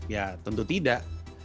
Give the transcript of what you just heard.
ya tentu tidak